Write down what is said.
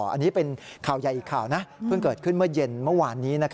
อันนี้เป็นข่าวใหญ่อีกข่าวนะเพิ่งเกิดขึ้นเมื่อเย็นเมื่อวานนี้